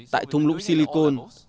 tại thung lũ silicon